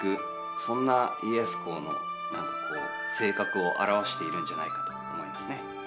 そんな家康公の何かこう性格を表しているんじゃないかと思いますね。